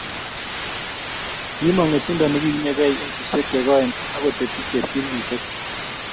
Kimong ngetundo nekiunyekei eng suswek che koen akotepchi cheptikirchet